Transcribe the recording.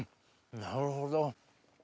なるほど。